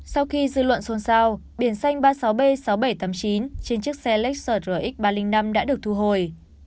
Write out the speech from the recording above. sau khi dư luận xôn xao biển xanh ba mươi sáu b sáu nghìn bảy trăm tám mươi chín trên chiếc xe lek sert rx ba trăm linh năm đã được thu hồi